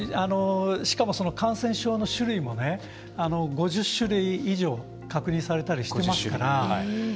しかも、感染症の種類も５０種類以上確認されたりしてますから。